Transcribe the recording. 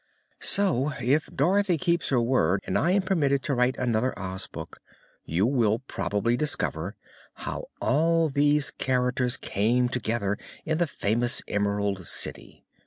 So, if Dorothy keeps her word and I am permitted to write another Oz book, you will probably discover how all these characters came together in the famous Emerald City.